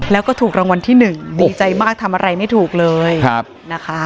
แล้วก็ถูกรางวัลที่หนึ่งดีใจมากทำอะไรไม่ถูกเลยนะคะ